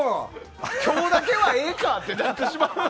今日だけはええかって。